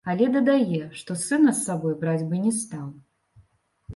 Але дадае, што сына з сабой браць бы не стаў.